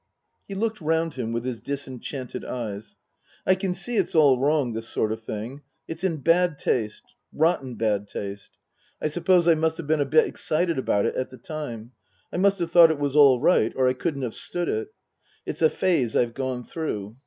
He looked round him with his disenchanted eyes. " I can see it's all wrong, this sort of thing. It's in bad taste. Rotten bad taste. I suppose I must have been a bit excited about it at the time I must have thought it was all right or I couldn't have stood it. "It's a phase I've gone through.